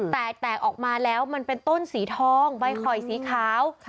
แตกแตกออกมาแล้วมันเป็นต้นสีทองใบข่อยสีขาว